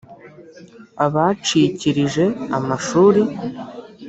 abacikirije amashuri